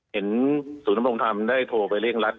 เห็นสูตรพรุ่งธรรมครับได้โทรไปเร่งรัด